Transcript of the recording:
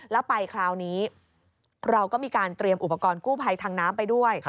แล้วไปคราวนี้เราก็มีการเตรียมอุปกรณ์กู้ภัยทางน้ำไปด้วย